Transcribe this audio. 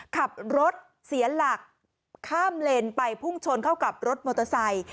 ขับรถเสียหลักข้ามเลนไปพุ่งชนเข้ากับรถมอเตอร์ไซค์